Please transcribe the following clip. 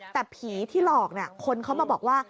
แต่ผีที่หลอกคนเขามาบอกว่า